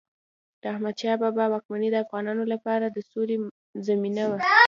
د احمدشاه بابا واکمني د افغانانو لپاره د سولې زمانه وه.